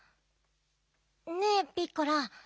ねえピッコラ。